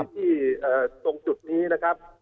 ที่ตรงจุดนี้นะครับ